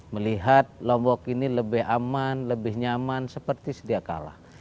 melihat lombok ini lebih aman lebih nyaman seperti sedia kalah